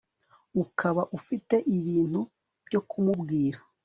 ukaba ufite ibintu byo kumubwira